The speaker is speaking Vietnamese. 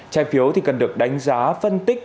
trái phiếu thì cần được đánh giá phân tích